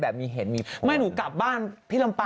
แถมมีโมเม้นท์หวานด้วยนะ